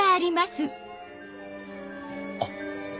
あっ！